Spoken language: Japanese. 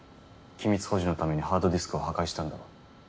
機密保持のためにハードディスクを破壊したんだろう。